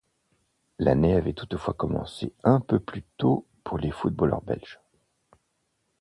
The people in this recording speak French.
L'année avait toutefois commencé un peu plus tôt pour les footballeurs belges.